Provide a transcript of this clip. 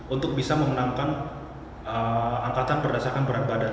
untuk bisa memenangkan angkatan berdasarkan berat badan